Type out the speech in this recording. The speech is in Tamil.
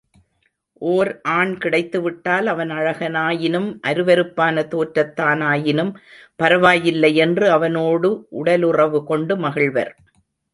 ஓர் ஆண் கிடைத்துவிட்டால் அவன் அழகனாயினும் அருவருப்பான தோற்றத்தானாயினும் பரவாயில்லையென்று அவனோடு உடலுறவு கொண்டு மகிழ்வர்.